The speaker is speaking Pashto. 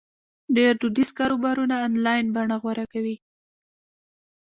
ډېری دودیز کاروبارونه آنلاین بڼه غوره کوي.